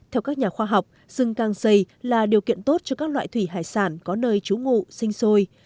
theo các nhà khoa học rừng càng dày là điều kiện tốt cho các loại thủy hải sản có nơi trú ngụ sinh sôi